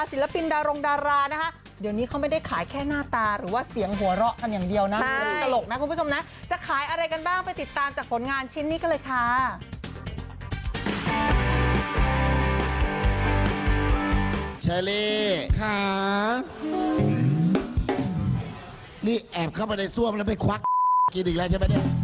เชลลี่ค่ะนี่แอบเข้ามาในซ่วมแล้วไปควักกินอีกแล้วใช่ไหมเนี่ยฮะ